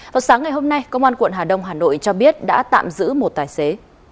vào sáng ngày hôm nay công an quận hà đông hà nội cho biết đã tạm giữ một tài xế